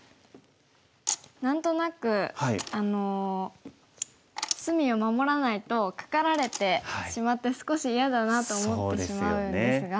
何となく隅を守らないとカカられてしまって少し嫌だなと思ってしまうんですが。